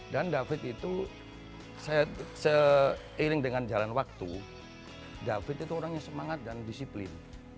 dan david itu saya seiring dengan jalan waktu david itu orangnya semangat dan disiplin